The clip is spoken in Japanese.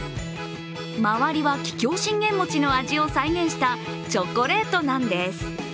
周りは桔梗信玄餅の味を再現したチョコレートなんです。